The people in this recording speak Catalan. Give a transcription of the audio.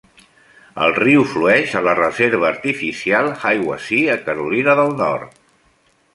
El riu flueix a la reserva artificial Hiwassee a Carolina del Nord.